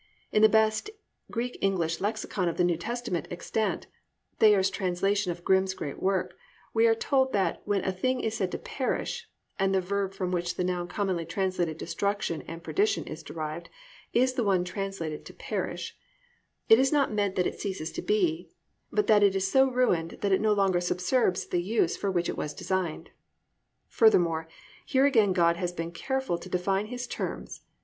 In the best Greek English lexicon of the New Testament extant, Thayer's translation of Grimm's great work, we are told that when a thing is said to "perish" (and the verb from which the noun commonly translated "destruction" and "perdition" is derived, is the one translated "to perish") it is not meant that it ceases to be, but that it is "so ruined that it no longer subserves the use for which it was designed." Furthermore, here again God has been careful to define His terms.